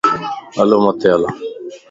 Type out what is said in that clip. ھلو مٿي ھلان.